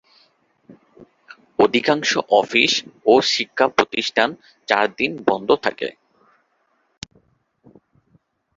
অধিকাংশ অফিস ও শিক্ষাপ্রতিষ্ঠান চার দিন বন্ধ থাকে।